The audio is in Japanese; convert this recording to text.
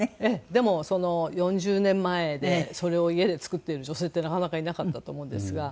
でも４０年前でそれを家で作っている女性ってなかなかいなかったと思うんですが。